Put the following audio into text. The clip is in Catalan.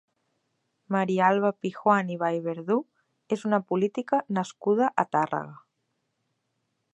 Maria Alba Pijuan i Vallverdú és una política nascuda a Tàrrega.